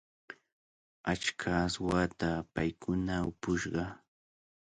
Achka aswata paykuna upushqa.